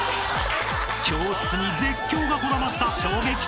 ［教室に絶叫がこだました衝撃解答とは！？］